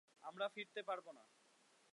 আমরা ফিরতে পারবো না।